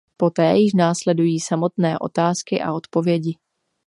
Poté již následují samotné otázky a odpovědi.